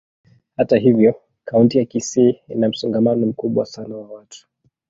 Hata hivyo, kaunti ya Kisii ina msongamano mkubwa sana wa watu.